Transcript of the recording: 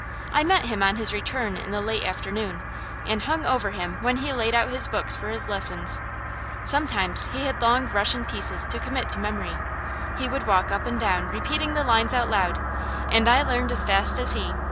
I met him on his return in the late afternoon, and hung over him when he laid out his books for his lessons. Sometimes he had long Russian pieces to commit to memory. He would walk up and down repeating the lines out loud, and I learned as fast as he.